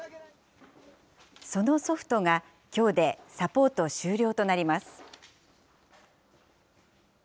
そのソフトが、きょうでサポート終了となります。